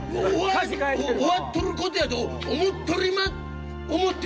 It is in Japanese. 終わっとることやと思っとりま思って